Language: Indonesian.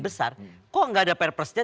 besar kok nggak ada purpose nya